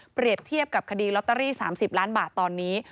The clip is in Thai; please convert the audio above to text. เทียบกับคดีลอตเตอรี่๓๐ล้านบาทตอนนี้